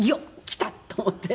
きた！と思って。